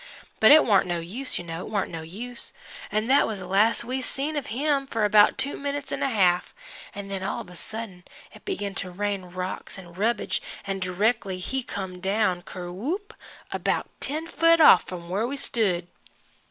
But it warn't no use, you know, it warn't no use. An' that was the last we see of him for about two minutes 'n' a half, an' then all of a sudden it begin to rain rocks and rubbage an' directly he come down ker whoop about ten foot off f'm where we stood.